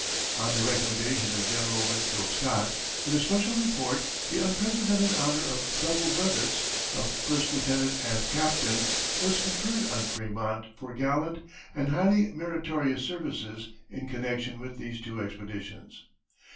On the recommendation of General Winfield Scott, in a special report, the unprecedented honor of double brevets of first lieutenant and captain was conferred on Frémont for gallant and highly meritorious services in connection with these two expeditions.